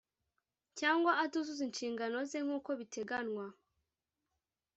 cyangwa atuzuza inshingano ze nk uko biteganywa